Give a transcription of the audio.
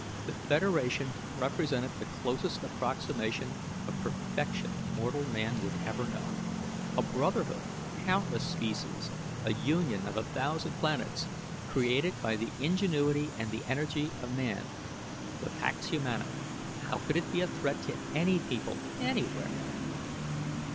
The Federation represented the closest approximation of perfection mortal man would ever know: a brotherhood of countless species, a union of a thousand planets, created by the ingenuity and the energy of man. The Pax Humana; how could it be a threat to any people anywhere?